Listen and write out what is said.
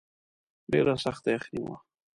ډېره سخته یخني وه.